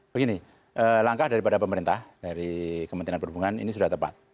begini langkah daripada pemerintah dari kementerian perhubungan ini sudah tepat